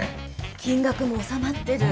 金額も収まってる。